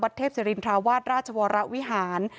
เทพศิรินทราวาสราชวรวิหาร